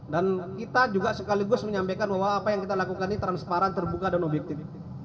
dan kita juga sekaligus menyampaikan bahwa apa yang kita lakukan ini transparan terbuka dan objektif